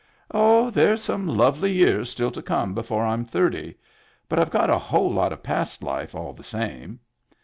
"Oh, there's some lovely years still to come before I'm thirty. But I've got a whole lot of past life, all the same."